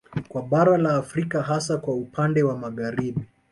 Kwa bara la Afrika hasa kwa upande wa Magharibi